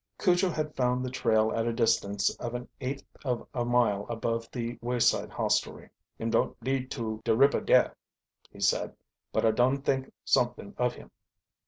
Cujo had found the trail at a distance of an eighth of a mile above the wayside hostelry. "Him don't lead to de ribber dare," he said. "But I dun think somet'ing of him."